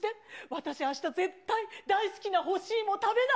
私、あした絶対、大好きな干し芋食べない。